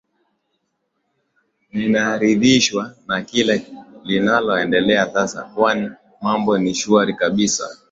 ninaridhishwa na kila linaloendelea sasa kwani mambo ni shwari kabisa